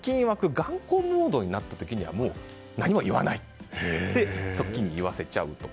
頑固モードになった時は何も言わないって側近に言わせちゃうとか。